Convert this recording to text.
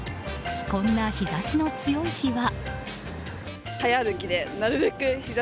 こんな日差しの強い日は。